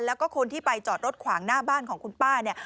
แล้วก็คนที่ไปจอดรถขวางหน้าบ้านของคุณป้าเนี่ย